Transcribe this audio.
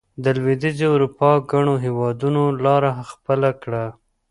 د لوېدیځې اروپا ګڼو هېوادونو لار خپله کړه.